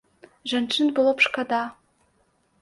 Жанчын было б шкада.